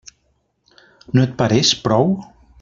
No et pareix prou?